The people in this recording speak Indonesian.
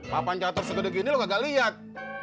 papan catur segede gini lo kagak liat